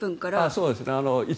そうです。